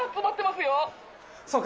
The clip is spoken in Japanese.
そうか。